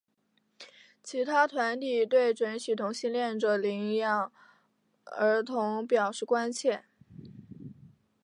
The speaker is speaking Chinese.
其他团体对准许同性恋者领养儿童表示关切。